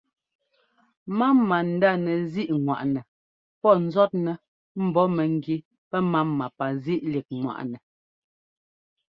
Máma ndá nɛzíꞌŋwaꞌnɛ pɔ́ ńzɔ́tnɛ mbɔ̌ mɛgí pɛ́máma pazíꞌlíkŋwaꞌnɛ.